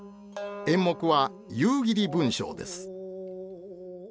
演目は「夕霧文章」です。